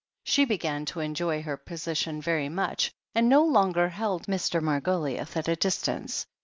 She began to enjoy her position very much, and no longer held Mr. Margoliouth at a distance.